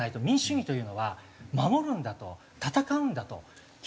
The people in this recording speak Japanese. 民主主義というのは守るんだと闘うんだと。